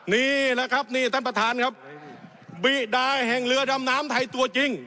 นี่แหละครับนี่ท่านประธานครับบิดาแห่งเรือดำน้ำไทยตัวจริง